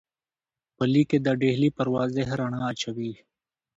په لیک کې د ډهلي پر وضع رڼا اچوي.